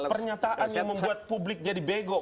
pernyataan yang membuat publik jadi bego